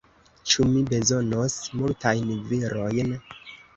Ĉu mi bezonos multajn virojn?